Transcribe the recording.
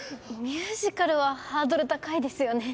ミュージカルはハードル高いですよね。